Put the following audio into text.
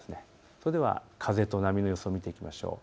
それでは風と波の予想を見ていきましょう。